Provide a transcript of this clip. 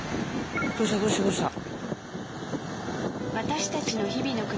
どうしたどうしたどうした？